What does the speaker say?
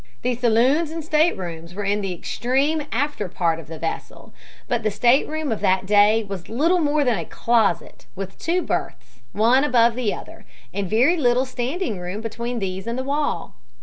The saloons and staterooms were in the extreme after part of the vessel, but the stateroom of that day was little more than a closet, with two berths, one above the other, and very little standing room between these and the wall.